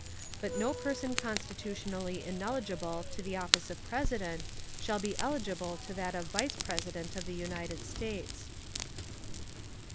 But no person constitutionally ineligible to the office of President shall be eligible to that of Vice President of the United States.